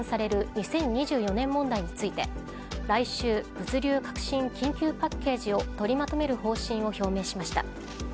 ２０２４年問題について来週、物流革新緊急パッケージを取りまとめる方針を表明しました。